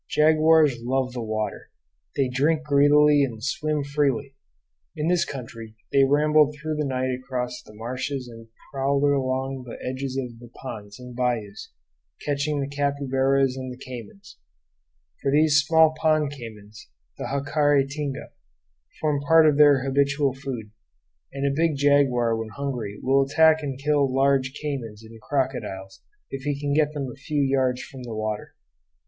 Jaguars love the water. They drink greedily and swim freely. In this country they rambled through the night across the marshes and prowled along the edges of the ponds and bayous, catching the capybaras and the caymans; for these small pond caymans, the jacare tinga, form part of their habitual food, and a big jaguar when hungry will attack and kill large caymans and crocodiles if he can get them a few yards from the water.